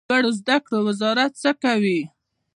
لوړو زده کړو وزارت څه کوي؟